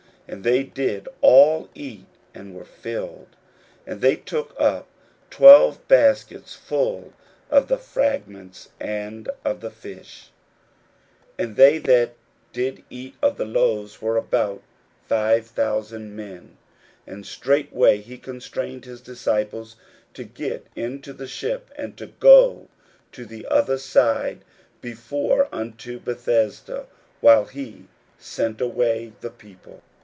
41:006:042 And they did all eat, and were filled. 41:006:043 And they took up twelve baskets full of the fragments, and of the fishes. 41:006:044 And they that did eat of the loaves were about five thousand men. 41:006:045 And straightway he constrained his disciples to get into the ship, and to go to the other side before unto Bethsaida, while he sent away the people.